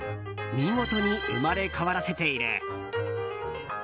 見事に生まれ変わらせている。